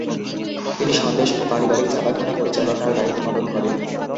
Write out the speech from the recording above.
তিনি সন্দেশ ও পারিবারিক ছাপাখানা পরিচালনার দায়িত্ব পালন করেন।